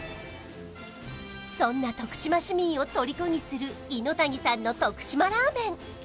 そんな徳島市民を虜にするいのたにさんの徳島ラーメン